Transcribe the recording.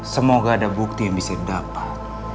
semoga ada bukti yang bisa didapat